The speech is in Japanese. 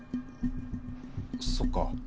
そっか。